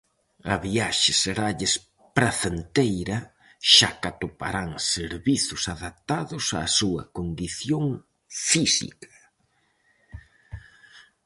A viaxe seralles pracenteira xa que atoparán servizos adaptados á súa condición física.